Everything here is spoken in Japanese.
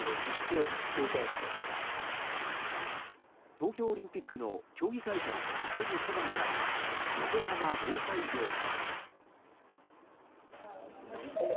東京オリンピックの競技会場のすぐそばにある横浜労災病院。